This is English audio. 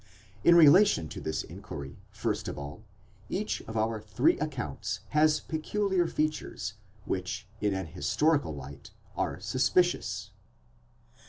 In relation to this inquiry, first of all, each of our three accounts has peculiar features which in an historical light are suspicious.